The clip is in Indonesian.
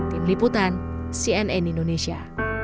tim liputan cnn indonesia